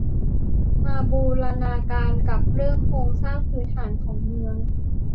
มาบูรณาการกับเรื่องโครงสร้างพื้นฐานของเมือง